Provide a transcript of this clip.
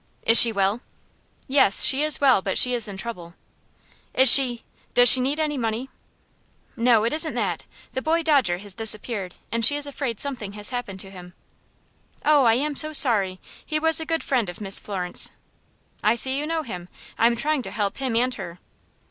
"Is she well?" "Yes; she is well, but she is in trouble." "Is she Does she need any money?" "No; it isn't that. The boy Dodger has disappeared, and she is afraid something has happened to him." "Oh, I am so sorry! He was a good friend of Miss Florence." "I see you know him. I am trying to help him and her."